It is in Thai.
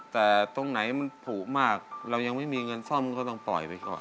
แต่ตรงไหนมันผูกมากเรายังไม่มีเงินซ่อมก็ต้องปล่อยไปก่อน